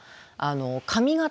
髪形